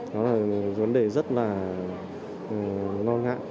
nó là vấn đề rất là non ngã